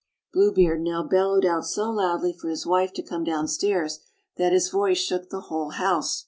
Blue Beard now bellowed out so loudly for his wife to come downstairs that his voice shook the whole house.